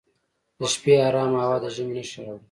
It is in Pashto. د شپې ارام هوا د ژمي نښې راوړي.